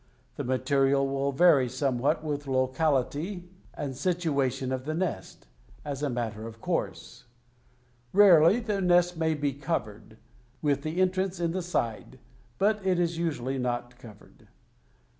The material will vary somewhat with locality and situation of the nest, as a matter of course. Rarely the nest may be covered, with the entrance in the side, but it is usually not covered.